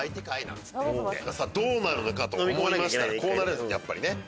どうなるのかと思いましたらこうなるんですやっぱりね。